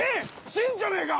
信じゃねえか！